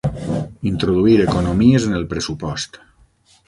Introduir economies en el pressupost.